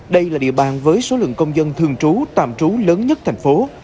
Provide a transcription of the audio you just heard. đây là địa bàn với số lượng công dân thường trú tạm trú lớn nhất thành phố